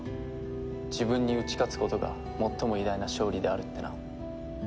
「自分に打ち勝つことが最も偉大な勝利である」ってな。